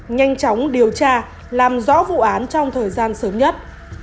nhanh chóng điều tra làm rõ vụ án trong thời gian sớm nhất